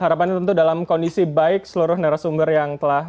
harapannya tentu dalam kondisi baik seluruh narasumber yang telah